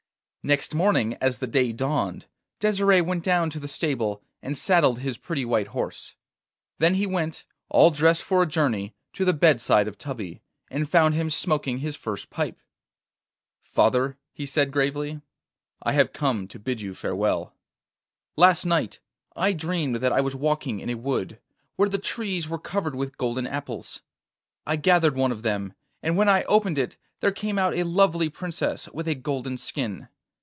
Next morning as the day dawned, Desire went down to the stable and saddled his pretty white horse. Then he went, all dressed for a journey, to the bedside of Tubby, and found him smoking his first pipe. 'Father,' he said gravely, 'I have come to bid you farewell. Last night I dreamed that I was walking in a wood, where the trees were covered with golden apples. I gathered one of them, and when I opened it there came out a lovely princess with a golden skin.